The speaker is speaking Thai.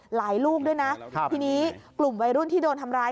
ลูกด้วยนะทีนี้กลุ่มวัยรุ่นที่โดนทำร้าย